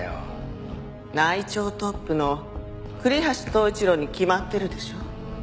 内調トップの栗橋東一郎に決まってるでしょ。